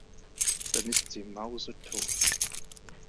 Dann ist sie mausetot.